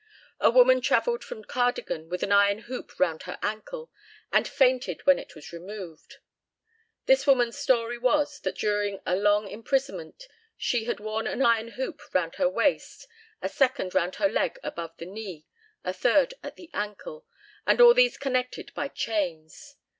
A woman travelled from Cardigan with an iron hoop round her ankle, and fainted when it was removed. This woman's story was, that during a long imprisonment she had worn an iron hoop round her waist, a second round her leg above the knee, a third at the ankle, and all these connected by chains.